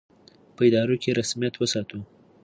په ادارو کې یې رسمیت وساتو.